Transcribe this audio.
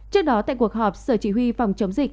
trước đó tại cuộc họp sở chỉ huy phòng chống dịch